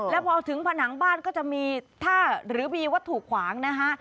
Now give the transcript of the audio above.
แล้วพอถึงผนังบ้านก็จะมีท่าหรือมีวัตถุขวางนะฮะ